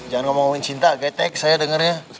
jangan ngomongin cinta kek teks saya dengernya